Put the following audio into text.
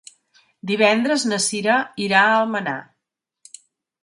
Divendres na Sira irà a Almenar.